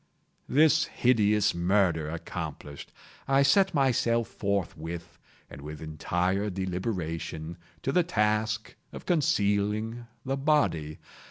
This hideous murder accomplished, I set myself forthwith, and with entire deliberation, to the task of concealing the body.